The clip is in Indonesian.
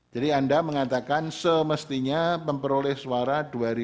jadi anda mengatakan semestinya memperoleh suara dua ribu tiga puluh empat